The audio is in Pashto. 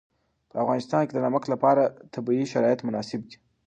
په افغانستان کې د نمک لپاره طبیعي شرایط مناسب دي.